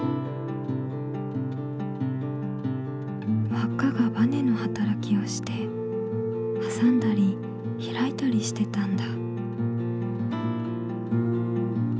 輪っかがバネのはたらきをしてはさんだりひらいたりしてたんだ。